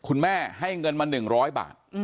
คุณแม่ให้เงินมา๑๐๐บาท